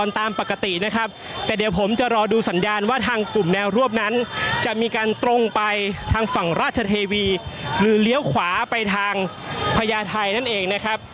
ตามปกตินะครับแต่เดี๋ยวผมจะรอดูสัญญาณว่าทางกลุ่มแนวรวบนั้นจะมีการตรงไปทางฝั่งราชเทวีหรือเลี้ยวขวาไปทางพญาไทยนั่นเองนะครับ